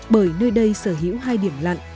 bởi nơi đây sở hữu hai điểm lặn